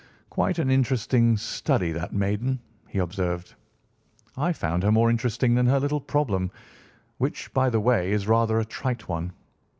"Quite an interesting study, that maiden," he observed. "I found her more interesting than her little problem, which, by the way, is rather a trite one.